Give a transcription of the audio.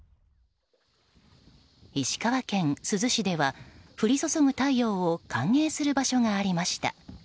石川県珠洲市では降り注ぐ太陽を歓迎する場所がありました。